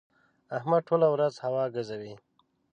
احمد ټوله ورځ هوا ګزوي.